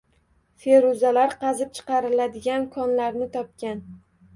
Feruzalar qazib chiqariladigan konlarni topgan.